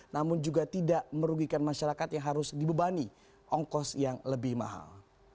namun juga tidak merugikan masyarakat yang harus dibebani ongkos yang lebih mahal